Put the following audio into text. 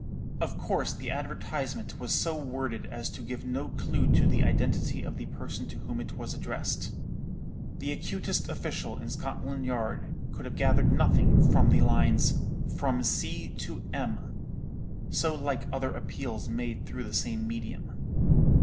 Of course the advertisement was so worded as to give no clue to the identity of the person to whom it was addressed. The acutest official in Scotland Yard could have gathered nothing from the lines 'From C. to M.,' so like other appeals made through the same medium.